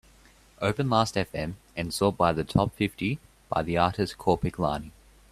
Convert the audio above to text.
Open Lastfm and sort by the top-fifty by the artist Korpiklaani.